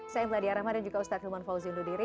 saya mladia rahma dan juga ustadz hilman fauzi undur diri